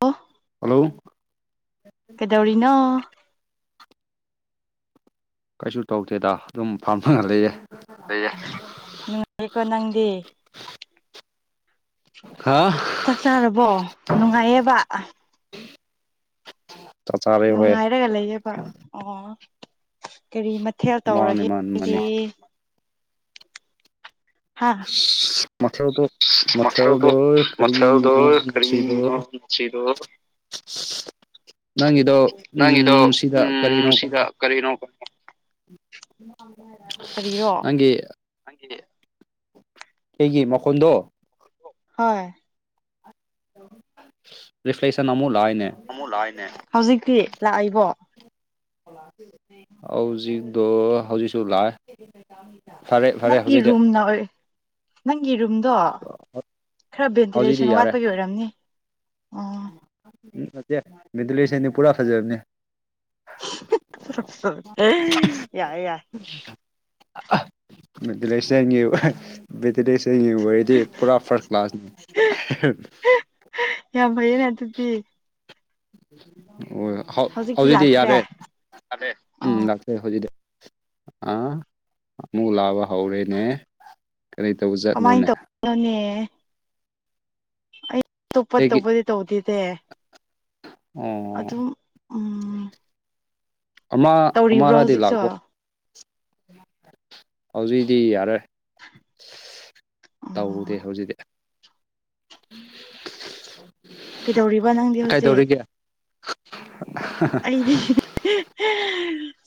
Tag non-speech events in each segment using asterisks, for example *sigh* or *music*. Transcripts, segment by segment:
ꯑꯣ *unintelligible* ꯀꯩꯗꯧꯔꯤꯅꯣ ꯀꯩꯁꯨ ꯇꯧꯗꯦꯗ ꯑꯗꯨꯝ ꯐꯝꯃꯒ ꯂꯩꯌꯦ ꯑꯌꯥ ꯅꯨꯉꯥꯏꯔꯤꯀꯣ ꯅꯪꯗꯤ ꯍꯥ ꯆꯥꯛ ꯆꯥꯔꯕꯣ ꯅꯨꯡꯉꯥꯏꯌꯦꯕ ꯆꯥꯛ ꯆꯥꯔꯦ ꯍꯣꯏ ꯅꯨꯡꯉꯥꯏꯔꯒ ꯂꯩꯌꯦꯕ ꯑꯣ ꯀꯔꯤ ꯃꯠ ꯊꯦꯜ ꯃꯥꯅꯤ ꯇꯧꯔꯒꯦꯗꯤ ꯃꯥꯅꯤ ꯃꯥꯅꯤ ꯍꯥ ꯁ ꯃꯊꯦꯜꯗꯣ ꯃꯊꯦꯜꯗꯣ ꯃꯊꯦꯜꯗꯣ ꯀꯔꯤꯅꯣ ꯃꯁꯤꯗꯣ ꯀꯔꯤꯅꯣ ꯉꯁꯤꯗꯣ *inaudible* ꯅꯪꯒꯤꯗꯣ ꯅꯪꯒꯤꯗꯣ ꯎꯝ ꯁꯤꯗ ꯎꯝ ꯀꯔꯤꯅꯣ ꯁꯤꯗ ꯀꯩꯅꯣ ꯀꯔꯤꯅꯣ ꯀꯔꯤꯔꯣ ꯅꯪꯒꯤ ꯅꯪꯒꯤ ꯑꯩꯒꯤ ꯃꯈꯣꯟꯗꯣ ꯍꯣꯏ *unintelligible* ꯑꯃꯨꯛ ꯂꯥꯛꯑꯦꯅꯦ ꯍꯧꯖꯤꯛꯇꯤ ꯂꯥꯛꯏꯕꯣ ꯍꯧꯖꯤꯛꯗꯣ ꯍꯧꯖꯤꯛꯁꯨ ꯂꯥꯛꯑꯦ ꯐꯔꯦ ꯐꯔꯦ ꯅꯪꯒꯤ ꯍꯧꯖꯤꯛꯇꯤ ꯔꯨꯝꯅ ꯑꯣꯏ ꯅꯪꯒꯤ ꯔꯨꯝꯗꯣ ꯈꯔ ꯍꯧꯖꯤꯛꯇꯤ ꯚꯦꯟꯇꯤꯂꯦꯁꯟ ꯌꯥꯔꯦ ꯋꯥꯠꯄꯒꯤ ꯑꯣꯏꯔꯝꯅꯤ ꯎꯝ ꯅꯠꯇꯦ ꯚꯦꯟꯇꯤꯂꯦꯁꯟꯗꯤ ꯄꯨꯔꯥ ꯐꯖꯕꯅꯦ *unintelligible* ꯑꯥꯍ *unintelligible* ꯋꯥ꯭ꯔꯗꯤ ꯄꯨꯔꯥ ꯐꯥ꯭ꯔꯁ ꯀ꯭ꯂꯥꯁꯅꯤ *inaudible* ꯌꯥꯝ ꯐꯩꯌꯦꯅꯦ ꯑꯗꯨꯗꯤ ꯍꯣꯏ ꯍꯧ ꯍꯧꯖꯤꯛꯇꯤ ꯌꯥꯔꯦ ꯎꯝ ꯂꯥꯛꯇꯦ ꯍꯧꯖꯤꯛꯇꯤ ꯑꯥ ꯑꯃꯨꯛ ꯂꯥꯕ ꯍꯧꯔꯦꯅꯦ ꯀꯔꯤ ꯀꯃꯥꯏꯅ ꯇꯧꯖꯥꯠꯅꯣꯅꯦ ꯇꯧꯕꯅꯣꯅꯦ ꯑꯩ ꯇꯣꯞꯄ ꯑꯩꯒꯤ ꯇꯧꯕꯗꯤ ꯇꯧꯗꯦꯇꯦ ꯑꯣ ꯑꯗꯨꯝ ꯎꯝ ꯑꯃ ꯇꯧꯔꯤꯕ꯭ꯔꯣ ꯑꯃꯔꯗꯤ ꯍꯧꯖꯤꯛꯁꯨ ꯂꯥꯛꯄ꯭ꯔꯣ ꯑꯣ ꯍꯧꯖꯤꯛꯗꯤ ꯌꯥꯔꯦ ꯇꯧꯗꯦ ꯍꯧꯖꯤꯛꯇꯤ *inaudible* ꯀꯩꯗꯧꯔꯤꯕ ꯅꯪꯗꯤ ꯍꯧꯖꯤꯛ ꯀꯩꯗꯧꯔꯤꯒꯦ ꯑꯩꯗꯤ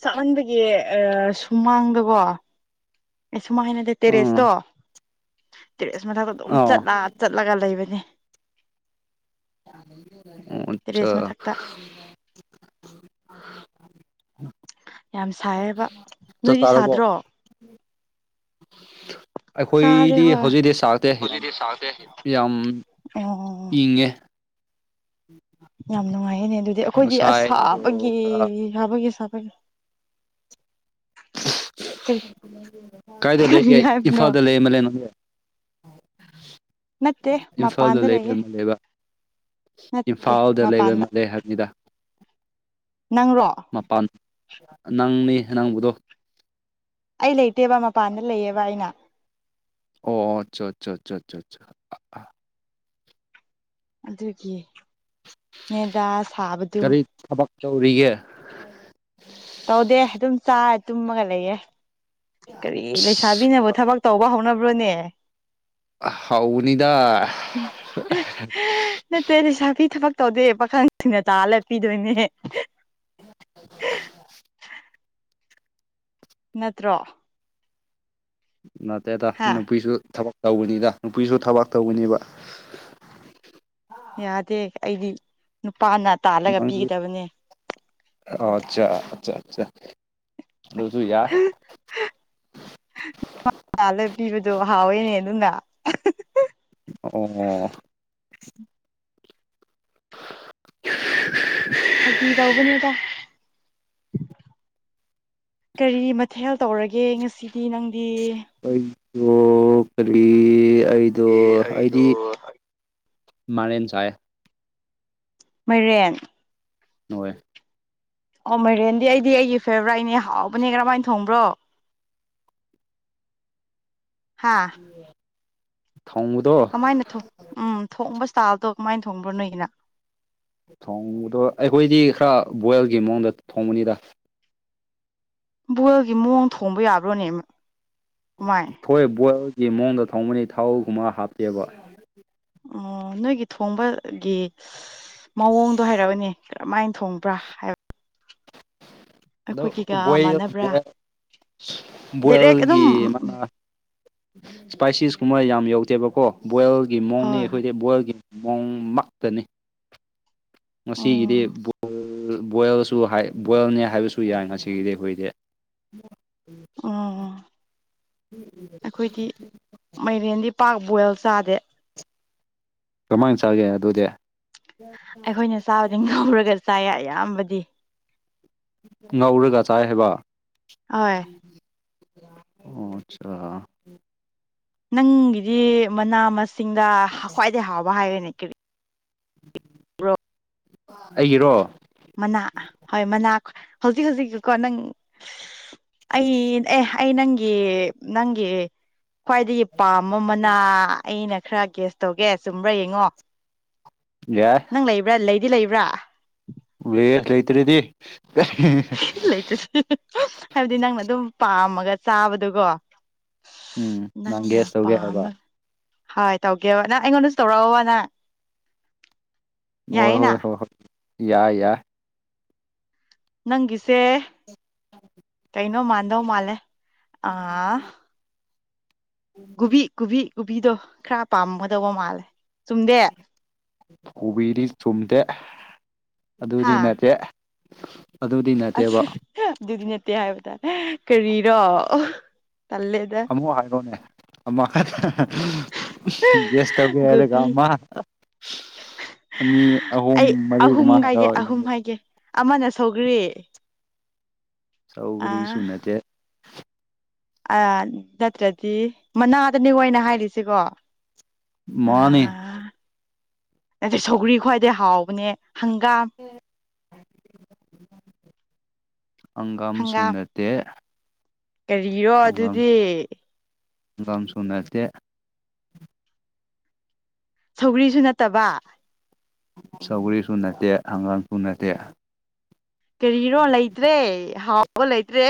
ꯆꯥꯛꯃꯟꯕꯒꯤ ꯁꯨꯃꯥꯡꯗꯀꯣ *unintelligible* ꯎꯝ ꯇꯦꯔꯦꯁꯇꯣ ꯇꯦꯔꯦꯁ ꯃꯊꯛꯇ ꯗꯨꯝ ꯑꯥꯎ ꯆꯠꯂꯥ ꯆꯠꯂꯒ ꯂꯩꯕꯅꯦ ꯑꯣ ꯑꯆꯥ ꯇꯦꯔꯦꯁ ꯃꯊꯛꯇ ꯌꯥꯝ ꯁꯥꯏꯌꯦꯕ ꯆꯥꯛ ꯅꯣꯏꯗꯤ ꯆꯥꯔꯕꯣ ꯁꯥꯗ꯭ꯔꯣ ꯁꯥꯔꯦ ꯑꯩꯈꯣꯏꯗꯤ ꯍꯣꯏ ꯍꯧꯖꯤꯛꯗꯤ ꯁꯥꯎꯇꯦ ꯌꯥꯝ ꯍꯧꯖꯤꯛꯗꯤ ꯁꯥꯗꯦ ꯌꯥꯝ ꯏꯪꯉꯦ *unintelligible* *inaudible* ꯌꯥꯝ ꯅꯨꯡꯉꯥꯏꯌꯦꯅꯦ ꯑꯗꯨꯗꯤ ꯑꯈꯣꯏꯗꯤ ꯑ꯭ꯁ ꯉꯁꯥꯏꯗꯣ ꯁꯥꯕꯒꯤ ꯈꯔ ꯁꯥꯕꯒꯤ ꯁꯥꯕ ꯀꯩꯅꯣ ꯀꯥꯏꯗ ꯀꯔꯤ ꯂꯩꯒꯦ ꯍꯥꯏꯕꯅꯣ ꯏꯝꯐꯥꯜꯗ ꯂꯩ ꯃ ꯂꯩ ꯅꯠꯇꯦ ꯏꯝꯐꯥꯜꯗ ꯃꯄꯥꯟꯗ ꯂꯩꯕ ꯂꯩꯌꯦ ꯃꯤ ꯂꯩꯕꯥ ꯅꯠꯇꯦ ꯏꯝꯐꯥꯜꯗ ꯂꯩꯕ ꯃꯄꯥꯟꯗ ꯃꯂꯦ ꯍꯥꯏꯕꯅꯤꯗ ꯅꯪꯔꯣ ꯃꯄꯥꯟ ꯅꯪꯅꯤ ꯅꯪꯕꯗꯣ ꯑꯩ ꯂꯩꯇꯦꯕ ꯃꯄꯥꯟꯗ ꯂꯩꯌꯦꯕ ꯑꯩꯅ ꯑꯣ ꯑꯆꯥ ꯑ ꯑ ꯑꯗꯨꯒꯤ ꯅꯦꯗꯥ ꯁꯥꯕꯗꯨ ꯀꯔꯤ ꯊꯕꯛ ꯇꯧꯔꯤꯒꯦ ꯇꯧꯗꯦ ꯑꯗꯨꯝ ꯆꯥ ꯇꯨꯝꯃꯒ ꯂꯩꯌꯦ ꯀꯔꯤ ꯑꯁ ꯂꯩꯁꯥꯕꯤꯅꯕꯨ ꯊꯕꯛ ꯇꯧꯕ ꯍꯧꯅꯕ꯭ꯔꯣꯅꯦ ꯍꯥꯎꯅꯤ ꯅꯠꯇꯦ ꯂꯩꯁꯥꯕꯤ ꯊꯕꯛ ꯇꯧꯗꯦ ꯄꯥꯈꯪꯁꯤꯡꯅ ꯇꯥꯜꯂ ꯄꯤꯗꯣꯏꯅꯦ *unintelligible* ꯅꯠꯇ꯭ꯔꯣ ꯅꯠꯇꯦꯗ ꯍꯥ ꯅꯨꯄꯤꯁꯨ ꯊꯕꯛ ꯇꯧꯕꯅꯤꯗ ꯅꯨꯄꯤꯁꯨ ꯊꯕꯥꯛ ꯇꯧꯒꯅꯦꯕ ꯌꯥꯗꯦ ꯑꯩꯗꯤ ꯅꯨꯄꯥꯅ ꯇꯥꯜꯂꯒ ꯅꯪꯗꯤ ꯄꯤꯒꯗꯕꯅꯦ ꯆꯥꯆꯥ ꯑꯗꯨꯁꯨ ꯌꯥꯢ ꯑꯗꯨ ꯍꯥꯎꯋꯦꯅꯦ ꯑꯗꯨꯅ ꯑꯣ *unintelligible* ꯐꯥꯒꯤ ꯇꯧꯕꯅꯦꯗ ꯀꯔꯤ ꯃꯊꯦꯜ ꯇꯧꯔꯒꯦ ꯉꯁꯤꯗꯤ ꯅꯪꯗꯤ ꯑꯣ ꯀꯔꯤ ꯑꯩꯗꯣ ꯑꯩꯗꯣ ꯑꯩꯗꯤ ꯃꯥꯔꯦꯟ ꯆꯥꯢꯌꯦ ꯃꯥꯢꯔꯦꯟ ꯍꯣꯏ ꯑꯣ ꯃꯥꯏꯔꯦꯟꯗꯤ ꯑꯩꯗꯤ ꯑꯩꯒꯤ ꯐꯦꯚꯣꯔꯥꯏꯠꯅꯦ ꯍꯥꯎꯕꯅꯦ ꯀꯔꯝꯍꯥꯏꯅ ꯊꯣꯡꯕ꯭ꯔꯣ *inaudible* ꯍꯥꯥ ꯊꯣꯡꯕꯗꯣ ꯀꯃꯥꯏꯅ ꯊꯣꯡ ꯎꯝ ꯊꯣꯡꯕ ꯏꯁꯇꯥꯥꯏꯜꯗꯣ ꯀꯃꯥꯏꯅ ꯊꯣꯡꯕ꯭ꯔꯣ ꯅꯣꯏꯒꯤꯅ ꯊꯣꯡꯕꯗꯣ ꯑꯩꯈꯣꯏꯗꯤ ꯈꯔ ꯕꯣꯏꯜꯒꯤ ꯃꯑꯣꯡꯗ ꯊꯣꯡꯕꯅꯤꯗ ꯕꯣꯢꯜꯒꯤ ꯃꯑꯣꯡ ꯊꯣꯡꯕ ꯌꯥꯕ꯭ꯔꯣꯅꯦ ꯀꯃꯥꯏ ꯘꯣꯢ ꯕꯣꯏꯜꯒꯤ ꯃꯑꯣꯡꯗ ꯊꯣꯡꯕꯅꯤ ꯊꯥꯎꯒꯨꯝꯕ ꯍꯥꯞꯇꯦꯕ ꯑꯣ ꯅꯣꯏꯒꯤ ꯊꯣꯡꯕꯒꯤ ꯃꯑꯣꯡꯗꯣ ꯍꯥꯏꯔꯛꯑꯣꯅꯦ ꯀꯔꯝꯍꯥꯏꯅ ꯊꯣꯡꯕ꯭ꯔꯥ ꯍꯥꯏꯕ ꯑꯗꯣ ꯑꯩꯈꯣꯏꯒꯤꯒ ꯕꯣꯢꯜ ꯃꯥꯟꯅꯕ꯭ꯔꯥ ꯗꯥꯏꯔꯦꯛ ꯑꯗꯨꯝ ꯕꯣꯏꯜꯒꯤ ꯃꯥꯅ ꯏꯁꯄꯥꯏꯁꯤꯁ ꯀꯨꯝꯕ ꯌꯥꯝ ꯌꯧꯗꯦꯕꯀꯣ ꯕꯣꯏꯜꯒꯤ ꯃꯑꯣꯡꯅꯦ ꯍꯣꯏ ꯑꯩꯈꯣꯏꯗꯤ ꯕꯣꯏꯜꯒꯤ ꯃꯣꯡꯃꯛꯇꯅꯤ ꯉꯁꯤꯒꯤꯗꯤ ꯑꯣ ꯕꯣꯏꯜꯁꯨ ꯕꯣꯏꯜꯅꯤ ꯍꯥꯏꯕꯁꯨ ꯌꯥꯏ ꯉꯁꯤꯒꯤꯗꯤ ꯑꯩꯈꯣꯏꯗꯤ ꯎꯝ ꯑꯩꯈꯣꯏꯗꯤ ꯃꯥꯏꯔꯦꯟꯗꯤ ꯄꯥꯛ ꯕꯣꯏꯜ ꯆꯥꯗꯦ ꯀꯃꯥꯏ ꯆꯥꯒꯦ ꯑꯗꯨꯗꯤ ꯑꯩꯈꯣꯏꯅ ꯆꯥꯕꯗꯤ ꯉꯧꯔꯒ ꯆꯥꯏꯌꯦ ꯑꯌꯥꯝꯕꯗꯤ ꯉꯧꯔꯒ ꯆꯥꯏ ꯍꯥꯏꯕ ꯍꯣꯏ ꯑꯣ ꯑꯆꯥ ꯅꯪꯒꯤꯗꯤ ꯃꯅꯥ ꯃꯁꯤꯡꯗ ꯈ꯭ꯋꯥꯏꯗꯒꯤ ꯍꯥꯎꯕ ꯍꯥꯏꯌꯨꯅꯦ ꯀꯔꯤ *inaudible* ꯕ꯭ꯔꯣ ꯑꯩꯒꯤꯔꯣ ꯃꯅꯥ ꯍꯣꯏ ꯃꯅꯥ ꯍꯧꯖꯤꯛ ꯍꯧꯖꯤꯛꯀꯣ ꯅꯪ ꯑꯩ ꯑꯦ ꯑꯩ ꯅꯪꯒꯤ ꯅꯪꯒꯤ ꯈ꯭ꯋꯥꯏꯗꯒꯤ ꯄꯥꯝꯕ ꯃꯅꯥ ꯑꯩꯅ ꯈꯔ ꯒꯦꯁ ꯇꯧꯒꯦ ꯆꯨꯝꯕ꯭ꯔꯥ ꯌꯦꯡꯉꯣ ꯌꯥꯏ ꯅꯪ ꯂꯩꯕ꯭ꯔꯥ ꯂꯩꯗꯤ ꯂꯩꯕ꯭ꯔꯥ ꯂꯩꯌꯦ ꯂꯩꯇ꯭ꯔꯗꯤ ꯂꯩꯇ꯭ꯔ ꯍꯥꯏꯕꯗꯤ ꯅꯪꯅ ꯑꯗꯨꯝ ꯄꯥꯝꯃꯒ ꯆꯥꯕꯗꯨꯒꯣ ꯎꯝ ꯅꯪ ꯒꯦꯁ ꯇꯧꯒꯦ ꯍꯥꯏꯕ ꯍꯣꯏ ꯇꯧꯒꯦꯕ ꯅꯪ ꯑꯩꯉꯣꯟꯗꯁꯨ ꯇꯧꯔꯛꯑꯣꯕ ꯅꯪ ꯍꯣꯏ ꯌꯥꯏꯌꯦꯅ ꯍꯣꯏ ꯍꯣꯏ ꯍꯣꯏ ꯌꯥꯏ ꯌꯥꯏ ꯅꯪꯒꯤꯁꯦ ꯀꯩꯅꯣ ꯃꯥꯗꯧ ꯃꯥꯂꯦ ꯑꯥ ꯨꯀꯨꯕꯤ ꯀꯨꯕꯤ ꯀꯨꯕꯤꯗꯣ ꯈꯔ ꯄꯥꯝꯒꯗꯧꯕ ꯃꯥꯜꯂꯦ ꯆꯨꯝꯗꯦ ꯀꯣꯕꯤꯗꯤ ꯆꯨꯝꯗꯦ ꯑꯗꯨꯗꯤ ꯅꯠꯇꯦ ꯑꯗꯨꯗꯤ ꯅꯠꯇꯦꯕ ꯑꯁ ꯑꯗꯨꯗꯤ ꯅꯠꯇꯦ ꯍꯥꯏꯕꯗꯥꯏ ꯀꯔꯤꯔꯣ ꯇꯜꯂꯦꯗ ꯑꯃꯨꯛ ꯍꯥꯏꯔꯛꯑꯣꯅꯦ ꯑꯃꯈꯛꯇ ꯎꯝꯁ ꯒꯦꯁ ꯇꯧꯒꯦ ꯍꯥꯏꯔꯒ ꯒꯣꯕꯤ ꯑꯃ ꯑꯅꯤ ꯑꯍꯨꯝ ꯑꯩ ꯑꯍꯨꯝ ꯃꯔꯤꯒꯨꯝꯕ ꯍꯥꯏꯒꯦ ꯍꯥꯏꯔꯛꯑꯣ ꯑꯍꯨꯝ ꯍꯥꯏꯒꯦ ꯑꯃꯅ ꯁꯧꯈ꯭ꯔꯤ ꯁꯧꯒꯔꯤ ꯁꯨꯅꯠꯇꯦ ꯑꯌꯥ ꯅꯠꯇ꯭ꯔꯗꯤ ꯃꯅꯥꯗꯅꯦ ꯑꯩꯅ ꯍꯥꯏꯔꯤꯁꯤ ꯀꯣ ꯃꯥꯅꯦ ꯑꯗꯩ ꯁꯧꯒ꯭ꯔꯤ ꯈ꯭ꯋꯥꯏꯗꯩ ꯍꯥꯎꯕꯅꯦ ꯍꯪꯒꯥꯝ ꯍꯪꯒꯥꯝ ꯁꯨ ꯅꯠꯇꯦ ꯀꯔꯤꯔꯣ ꯑꯗꯨꯗꯤ ꯍꯪꯒꯝꯁꯨ ꯅꯠꯇꯦ ꯁꯧꯒ꯭ꯔꯤꯁꯨ ꯅꯠꯇꯕ ꯁꯧꯒ꯭ꯔꯤꯁꯨ ꯅꯠꯇꯦ ꯍꯪꯒꯥꯥꯝꯁꯨ ꯅꯠꯇꯦ ꯀꯔꯤꯔꯣ ꯂꯩꯇ꯭ꯔꯦ ꯍꯥꯎꯕ ꯂꯩꯇ꯭ꯔꯦ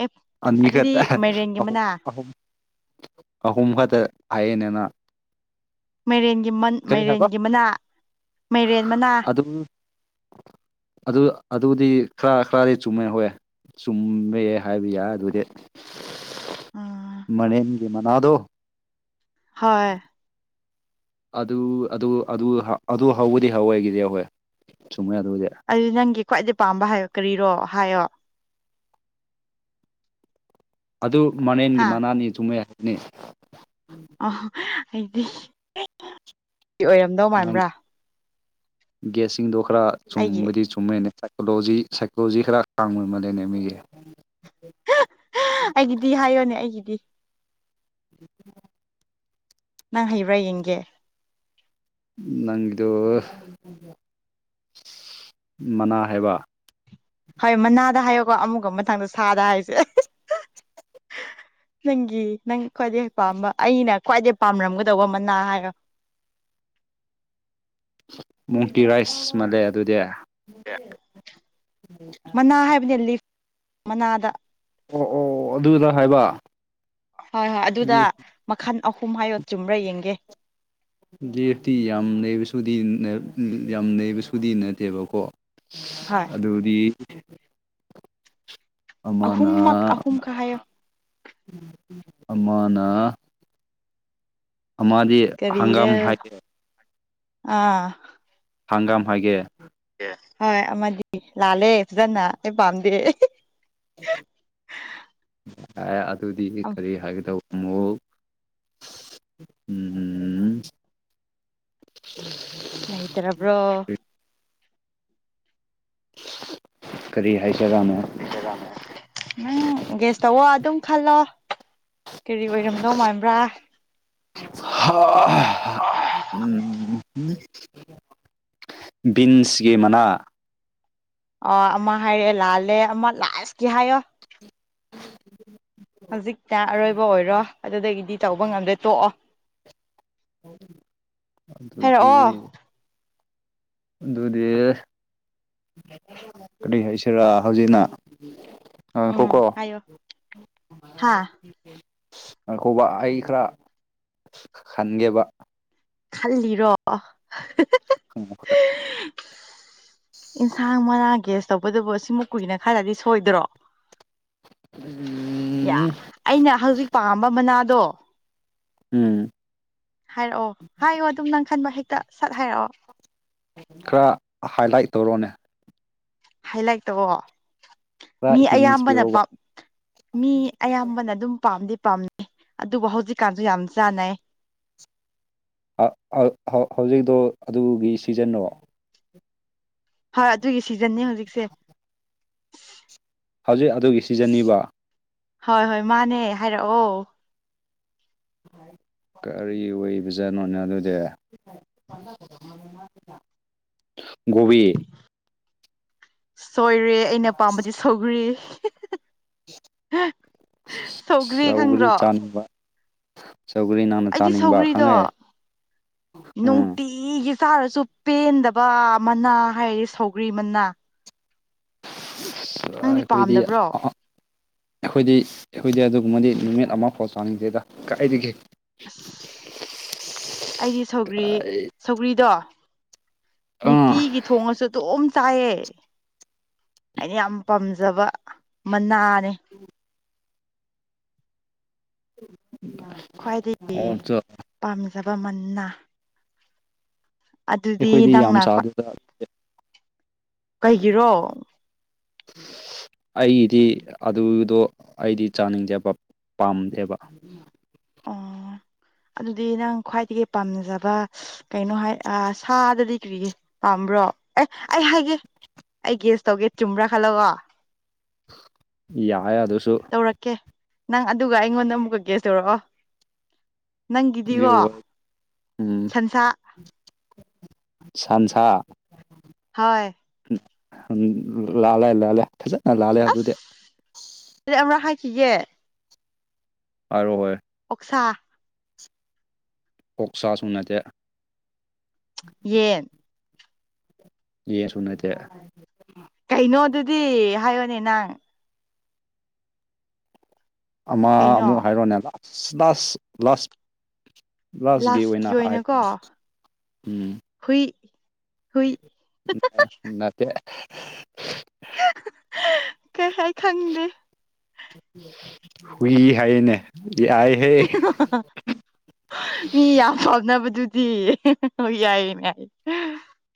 ꯑꯦ ꯑꯅꯤꯈꯛꯇ ꯑꯗꯨꯗꯤ ꯃꯥꯏꯔꯦꯟꯒꯤ ꯑꯍꯨꯝ ꯃꯅꯥ ꯑꯍꯨꯝ ꯑꯍꯨꯝꯈꯛꯇ ꯍꯥꯏꯌꯦꯅꯦ ꯅꯪꯅ ꯃꯥꯏꯔꯦꯟꯒꯤ ꯃꯥꯏꯔꯦꯟꯒꯤ ꯃꯅꯥ ꯃꯥꯏꯔꯦꯟ ꯃꯅꯥ ꯑꯗꯨ ꯑꯗꯨ ꯑꯗꯨꯗꯤ ꯈꯔ ꯈꯔꯗꯤ ꯆꯨꯝꯃꯦ ꯍꯣꯏ ꯆꯨꯝꯃꯦ ꯍꯥꯏꯕ ꯑꯗꯨ ꯌꯥꯏ ꯑꯗꯨꯗꯤ ꯎꯝ ꯃꯥꯏꯅꯦꯟꯒꯤ ꯃꯅꯥꯗꯣ ꯍꯣꯏ ꯑꯗꯨ ꯑꯗꯨ ꯑꯗꯨ ꯍꯧꯕꯗꯤ ꯍꯧꯋꯏꯒꯤꯗꯤ ꯑꯍꯣꯏ ꯑꯗꯨꯗꯤ ꯅꯪꯒꯤ ꯈ꯭ꯋꯥꯏꯩ ꯄꯥꯝꯕ ꯍꯥꯏꯌꯨ ꯀꯔꯤꯔꯣ ꯍꯥꯏꯌꯣ ꯑꯗꯨ ꯃꯅꯦꯟꯒꯤ ꯍꯥ ꯃꯅꯥꯅꯤ ꯆꯨꯝꯃꯦ ꯍꯥꯏꯕꯅꯦ ꯑꯍꯥ ꯑꯩꯗꯤ ꯑꯣꯏꯔꯝꯗꯧ ꯅꯪ ꯃꯟꯕ꯭ꯔꯥ ꯒꯦꯁꯁꯤꯡꯗꯣ ꯈꯔ ꯑꯩꯒꯤ ꯆꯨꯝꯕꯗꯤ ꯆꯨꯝꯃꯦꯅꯦ ꯑꯗꯣ ꯍꯧꯖꯤꯛ ꯁꯥꯏꯀꯣꯂꯣꯖꯤ ꯈꯔ ꯍꯥꯡꯕ ꯃꯥꯜꯂꯦꯅꯦ ꯃꯤꯒꯤ ꯍꯥ ꯍꯥ ꯍꯥ ꯑꯩꯒꯤꯗꯤ ꯍꯥꯏꯌꯣꯅꯦ ꯑꯩꯒꯤꯗꯤ ꯅꯪ ꯍꯩꯕ꯭ꯔꯥ ꯌꯦꯡꯒꯦ ꯅꯪꯒꯤꯗꯨ ꯃꯅꯥ ꯍꯥꯏꯕ ꯍꯣꯏ ꯃꯅꯥꯗ ꯍꯥꯏꯌꯣꯀꯣ ꯑꯃꯨꯛꯀ ꯃꯊꯪꯗ ꯁꯥꯗ ꯍꯥꯏꯁꯦ *inaudible* ꯅꯪꯒꯤ ꯅꯪ ꯈ꯭ꯋꯥꯏꯗꯩ ꯄꯥꯝꯕ ꯑꯩꯅ ꯈ꯭ꯋꯥꯏꯗꯩ ꯄꯥꯝꯔꯝꯒꯗꯧꯕ ꯃꯅꯥ ꯍꯥꯏꯌꯦ *inaudible* ꯃꯣꯡꯇꯤꯔꯥꯏꯁ ꯃꯥꯜꯂꯦ ꯑꯗꯨꯗꯤ ꯑꯦ ꯃꯅꯥ ꯍꯥꯏꯕꯅꯤ ꯂꯤꯐ ꯃꯅꯥꯗ ꯑꯣ ꯑꯗꯨꯗ ꯍꯥꯏꯕ ꯍꯣꯏ ꯍꯣꯏ ꯑꯗꯨꯗ ꯃꯈꯜ ꯑꯍꯨꯝ ꯍꯥꯏꯌꯣ ꯆꯨꯝꯕ꯭ꯔꯥ ꯌꯦꯡꯒꯦ ꯂꯤꯐꯇꯤ ꯌꯥꯝ ꯅꯩꯕ ꯌꯥꯝ ꯅꯩꯕ ꯁꯨꯗꯤ ꯅꯠꯇꯦꯕꯀꯣ ꯍꯣꯏ ꯑꯗꯨꯗꯤ ꯑꯃꯅ ꯑꯍꯨꯝꯃꯛ ꯑꯍꯨꯝꯈꯛ ꯍꯥꯏꯌꯣ ꯑꯃꯅ ꯑꯃꯗꯤ ꯍꯪꯒꯥꯝ ꯀꯔꯤꯔ ꯍꯥꯏꯒꯦ ꯑꯥ ꯍꯪꯒꯥꯝ ꯍꯥꯏꯒꯦ ꯍꯣꯢ ꯑꯃꯗꯤ ꯂꯥꯜꯂꯦ ꯐꯖꯥꯅꯥ ꯑꯩ ꯄꯥꯝꯗꯦ ꯑꯗꯨꯗꯤ ꯀꯔꯤ ꯍꯥꯏꯒꯗꯧ ꯃꯣꯜ ꯎꯝ ꯂꯩꯇꯔꯕ꯭ꯔꯣ ꯀꯔꯤ ꯍꯥꯏꯁꯤꯔꯥ ꯅꯪ ꯒꯦꯁ ꯇꯧꯋꯣ ꯑꯗꯨꯝ ꯈꯜꯂꯣ ꯀꯔꯤ ꯑꯣꯏꯔꯝꯗꯧ ꯃꯥꯟꯕ꯭ꯔꯥ ꯍꯥ ꯎꯝ ꯕꯤꯟꯁꯒꯤ ꯃꯅꯥ ꯑ ꯑꯃ ꯍꯥꯏꯔꯛꯌꯦ ꯂꯥꯜꯂꯦ ꯑꯃ ꯂꯥꯁꯀꯤ ꯍꯥꯏꯌꯣ ꯍꯧꯖꯤꯛꯇ ꯑꯔꯣꯏꯕ ꯑꯣꯏꯔꯣ ꯑꯗꯨꯗꯒꯤꯗꯤ ꯇꯧꯕ ꯉꯝꯗꯦ ꯇꯣꯛꯑꯣ ꯑꯗꯨꯗꯤ ꯍꯥꯏꯔꯛꯑꯣ ꯑꯗꯨꯗꯤ ꯀꯔꯤ ꯍꯥꯏꯁꯤꯔꯥ ꯍꯧꯖꯤꯛꯅ ꯎꯝ ꯉꯥꯏꯈꯣꯀꯣ ꯍꯥꯏꯌꯣ ꯍꯥꯥ ꯉꯥꯢꯈꯣꯕ ꯑꯩ ꯈꯔ ꯈꯟꯒꯦꯕ ꯈꯜꯂꯤꯔꯣ ꯎꯝ ꯏꯟꯁꯥꯡ ꯃꯅꯥꯥ ꯒꯦꯁ ꯇꯧꯕꯗꯕꯨ ꯑꯁꯤꯃꯨꯛ ꯀꯨꯏꯅ ꯈꯜꯂꯗꯤ ꯁꯣꯏꯗ꯭ꯔꯣ ꯌꯥ ꯑꯩꯅ ꯍꯧꯖꯤꯛ ꯄꯥꯝꯕ ꯃꯅꯥꯗꯣ ꯎꯝ ꯍꯥꯏꯔꯛꯑꯣ ꯍꯥꯏꯌꯣ ꯑꯗꯨꯝ ꯅꯪ ꯈꯟꯕ ꯍꯦꯛꯇ ꯁꯠ ꯍꯥꯏꯔꯛꯑꯣ ꯈꯔ ꯍꯥꯏꯂꯥꯏꯠ ꯇꯧꯔꯛꯑꯣꯅꯦ ꯍꯥꯏ ꯂꯥꯏꯛ ꯇꯧꯑꯣ ꯈꯔ ꯃꯤ ꯍꯤꯟꯁ ꯑꯌꯥꯝꯕꯅ ꯄꯤꯔꯣꯕ ꯃꯤ ꯑꯌꯥꯝꯕꯅ ꯑꯗꯨꯝ ꯄꯥꯝꯗꯤ ꯄꯥꯝꯅꯩ ꯑꯗꯨꯕꯨ ꯍꯧꯖꯤꯛꯀꯥꯟꯁꯨ ꯌꯥꯝ ꯆꯥꯟꯅꯩ ꯑ ꯑ ꯍꯧꯖꯤꯛꯇꯣ ꯑꯗꯨꯒꯤ ꯁꯤꯖꯟꯅꯣ ꯍꯣꯏ ꯑꯗꯨꯒꯤ ꯁꯤꯖꯟꯅꯦ ꯍꯧꯖꯤꯛꯁꯦ ꯍꯧꯖꯤꯛ ꯑꯗꯨꯒꯤ ꯁꯤꯖꯟꯅꯤꯕ ꯍꯣꯏ ꯍꯣꯏ ꯃꯥꯅꯦ ꯍꯥꯏꯔꯛꯑꯣ ꯀꯔꯤ ꯑꯣꯏꯕꯖꯥꯠꯅꯣꯅꯦ ꯑꯗꯨꯗꯤ ꯒꯣꯕꯤ ꯁꯣꯏꯔꯦ ꯑꯩꯅ ꯄꯥꯝꯕꯗꯤ ꯁꯧꯒ꯭ꯔꯤ ꯁꯧꯒ꯭ꯔꯤ ꯈꯪꯗ꯭ꯔꯣ ꯁꯧꯒ꯭ꯔꯤ ꯅꯪꯅ ꯑꯩꯗꯤ ꯆꯥꯅꯤꯡꯕ ꯁꯧꯒ꯭ꯔꯤꯗꯣ ꯈꯪꯉꯦ ꯎꯝ ꯅꯨꯡꯇꯤꯒꯤ ꯆꯥꯔꯁꯨ ꯄꯦꯟꯗꯕ ꯃꯅꯥ ꯍꯥꯏꯔꯗꯤ ꯁꯧꯒ꯭ꯔꯤ ꯃꯅꯥ ꯑ ꯅꯪꯗꯤ ꯑꯩꯈꯣꯏꯗꯤ ꯄꯥꯝꯗꯕ꯭ꯔꯣ ꯑꯩꯈꯣꯏꯗꯤ ꯑꯩꯈꯣꯏꯗꯤ ꯑꯗꯨ ꯑꯗꯨꯝꯕꯗꯤ ꯅꯨꯃꯤꯠ ꯑꯃꯐꯥꯎ ꯆꯥꯅꯤꯡꯗꯦꯗ ꯀꯥꯏꯗꯒꯤ ꯑꯁ ꯑꯩꯗꯤ ꯁꯧꯒ꯭ꯔꯤ ꯁꯧꯒ꯭ꯔꯤꯗꯣ ꯑꯥ ꯅꯤꯇꯤꯒꯤ ꯊꯣꯡꯉꯁꯨ ꯑꯗꯨꯝ ꯆꯥꯏꯑꯦ ꯑꯩꯅ ꯌꯥꯝ ꯄꯥꯝꯖꯕ ꯃꯅꯥ ꯅꯦ *inaudible* ꯈ꯭ꯋꯥꯏꯗꯒꯤ ꯑꯣ ꯄꯥꯝꯖꯕ ꯃꯟꯅ ꯑꯩꯈꯣꯏꯗꯤ ꯌꯥꯝ ꯅꯪꯅ ꯈ꯭ꯋꯥꯏ ꯁꯥꯗꯅ ꯀꯩꯒꯤꯔꯣ *inaudible* ꯑꯩꯒꯤꯗꯤ ꯑꯗꯨꯗꯣ ꯑꯩꯗꯤ ꯆꯥꯅꯤꯡꯗꯦꯕ ꯄꯥꯝꯗꯦꯕ ꯑꯣ *inaudible* ꯑꯗꯨꯗꯤ ꯅꯪ ꯈ꯭ꯋꯥꯏꯗꯒꯤ ꯄꯥꯝꯅꯖꯕ ꯀꯩꯅꯣ ꯍꯥꯏ ꯁꯥꯗꯗꯤ ꯀ꯭ꯔꯤꯒ ꯄꯥ ꯕ꯭ꯔꯣ ꯑꯦ ꯑꯩ ꯍꯥꯏꯒꯦ ꯑꯩ ꯒꯦꯁ ꯇꯧꯒꯦ ꯆꯨꯝꯕ꯭ꯔꯥ ꯈꯜꯂꯣꯀꯣ ꯌꯥꯏꯌꯦ ꯑꯗꯨꯁꯨ ꯇꯧꯔꯛꯀꯦ ꯅꯪ ꯑꯗꯨꯒ ꯑꯩꯉꯣꯟꯗ ꯑꯃꯨꯛꯀ ꯒꯦꯁ ꯇꯧꯔꯛꯑꯣ ꯅꯪꯒꯤꯗꯤꯀꯣ ꯖꯤꯌꯣ ꯎꯝ ꯁꯟꯁꯥ ꯁꯥꯟꯁꯥ ꯍꯣꯏ ꯎꯝ ꯂꯥꯜꯂꯦ ꯂꯥꯥꯜꯂꯦ ꯐꯖꯅ ꯂꯥꯜꯂꯦ ꯑꯗꯨꯗꯤ ꯁꯤꯖꯦ ꯑꯔꯣ ꯍꯣꯏ ꯁꯥ ꯀꯣꯛꯁꯥꯁꯨ ꯅꯠꯇꯦ ꯌꯦꯟ ꯌꯦꯟꯁꯨ ꯅꯠꯇꯦ ꯀꯩꯅꯣ ꯑꯗꯨꯗꯤ ꯍꯥꯏꯌꯣꯅꯦ ꯅꯪ ꯑꯃ ꯀꯩꯅꯣ ꯑꯃꯨꯛ ꯍꯥꯏꯔꯣꯅꯦ ꯂꯥꯁ ꯂꯥꯁ ꯂꯥꯁ ꯂꯥꯁꯒꯤ ꯂꯥꯁꯀꯤ ꯑꯣꯏꯅ ꯍꯥꯏ ꯑꯣꯏꯅꯀꯣ ꯎꯝ ꯍꯨꯏ ꯍꯨꯏ ꯅꯠꯇꯦ *unintelligible* ꯀꯩ ꯍꯥꯏ ꯈꯪꯗꯦ ꯍꯨꯏ ꯍꯥꯏꯌꯦꯅꯦ ꯌꯥꯏꯍꯦ ꯃꯤ ꯌꯥꯝ ꯐꯛꯅꯕꯗꯨ *unintelligible* ꯍꯣꯏ ꯌꯥꯏꯌꯦꯅꯦ